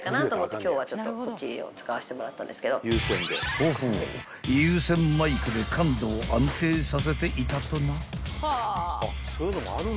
［ほほう有線マイクで感度を安定させていたとな］